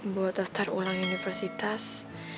buat daftar ulang universitas